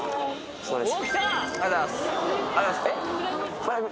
そうです。